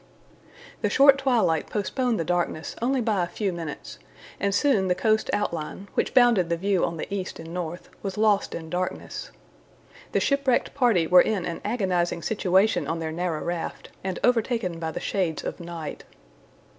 The short twilight postponed the darkness only by a few minutes, and soon the coast outline, which bounded the view on the east and north, was lost in darkness. The shipwrecked party were in an agonizing situation on their narrow raft, and overtaken by the shades of night.